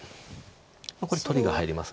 これ取りが入ります。